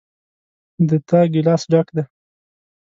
د تا ګلاس ډک ده